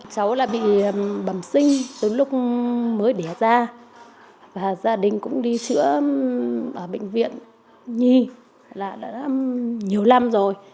cháu là bị bẩm sinh tới lúc mới đẻ ra và gia đình cũng đi chữa ở bệnh viện nhi là đã nhiều năm rồi